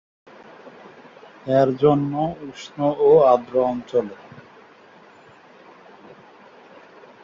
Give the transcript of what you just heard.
এর জন্ম উষ্ণ ও আর্দ্র অঞ্চলে।